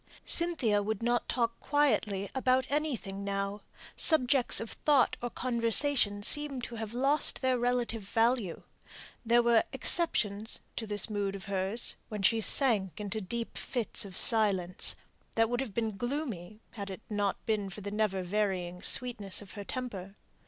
Cynthia would not talk quietly about anything now; subjects of thought or conversation seemed to have lost their relative value. There were exceptions to this mood of hers, when she sank into deep fits of silence, that would have been gloomy had it not been for the never varying sweetness of her temper.